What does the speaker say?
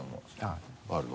あるの？